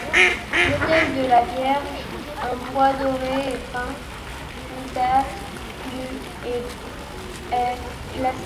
L’autel de la Vierge, en bois doré et peint, date du et est classé.